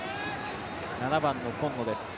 ７番の今野です。